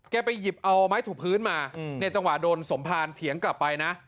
ไปหยิบเอาไม้ถูกพื้นมาเนี่ยจังหวะโดนสมภารเถียงกลับไปนะ